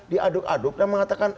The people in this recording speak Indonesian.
diaduk aduk dan mengatakan